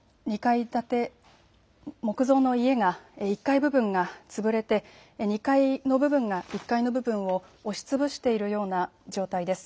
木造の家が、１階部分が潰れて２階の部分が１階の部分を押しつぶしているような状態です。